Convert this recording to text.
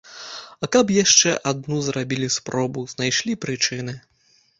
А каб яшчэ адну зрабілі спробу, знайшлі прычыны.